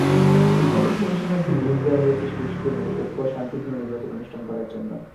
নির্বাচন কমিশনারদের নিয়োগ দেওয়া হয়েছে সুষ্ঠু, নিরপেক্ষ, শান্তিপূর্ণ নির্বাচন অনুষ্ঠান করার জন্য।